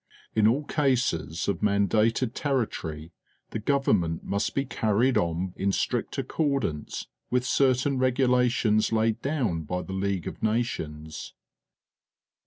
In all cases of ma ndated territory the government must be carried on in strict accordance with certain regularipns laid down by the League of Nations.